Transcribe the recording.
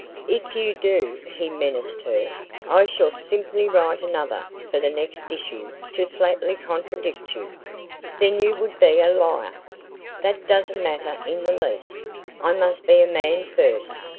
"If you do," he menaced her, "I shall simply write another for the next issue to flatly contradict you." "Then you would be a liar." "That doesn't matter in the least. I must be a man first.